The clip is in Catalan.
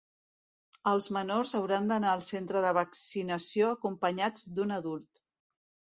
Els menors hauran d’anar al centre de vaccinació acompanyats d’un adult.